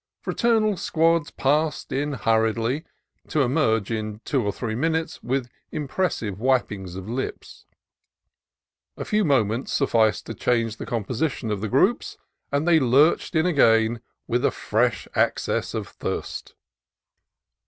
Fraternal squads passed in hurriedly, to emerge in two or three minutes with impressive wiping of lips. A few moments sufficed to change the composition of the groups, and they lurched in again with a fresh access of thirst.